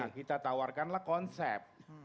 nah kita tawarkanlah konsep